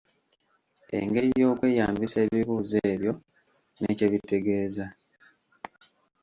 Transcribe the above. Engeri y'okweyambisa ebibuuzo ebyo ne kye bitegeeza.